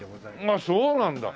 あっそうなんだ！